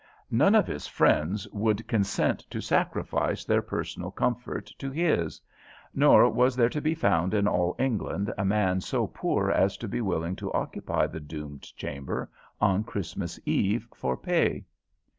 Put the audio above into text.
None of his friends would consent to sacrifice their personal comfort to his, nor was there to be found in all England a man so poor as to be willing to occupy the doomed chamber on Christmas Eve for pay.